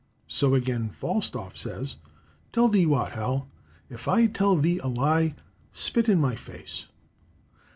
So, again, Falstaff says, "Tell thee what, Hal,—if I tell thee a lie, spit in my face."